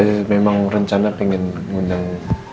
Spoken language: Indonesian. saya memang rencana pengen ngundang